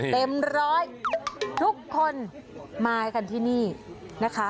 เต็มร้อยทุกคนมากันที่นี่นะคะ